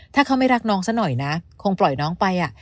ถ้าเขาไม่รักน้องซะหน่อยนะคงปล่อยน้องไป